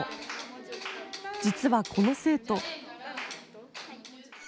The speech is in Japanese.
実はこの生徒。